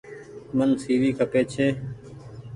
مين سي وي کپي ڇي۔